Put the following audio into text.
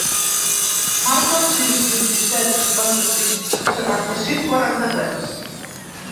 Marca el sis, vint-i-set, cinquanta-cinc, setanta-cinc, quaranta-tres.